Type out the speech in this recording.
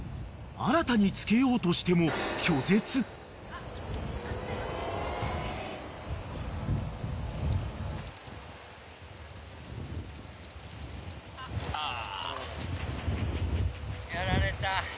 ［新たに着けようとしても］ああ。